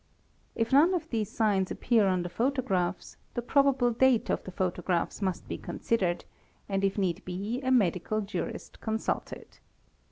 If none of these signs © ppear on the photographs, the probable date of the photographs must e considered and if need be a medical jurist consulted.